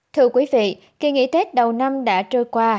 thưa quý vị kỳ nghỉ tết đầu năm đã trôi qua